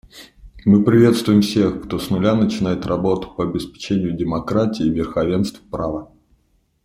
Мы приветствуем всех, кто с нуля начинает работу по обеспечению демократии и верховенства права.